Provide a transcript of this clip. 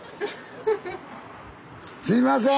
すいません！